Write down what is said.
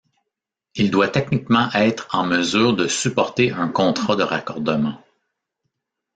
Il doit techniquement être en mesure de supporter un contrat de raccordement.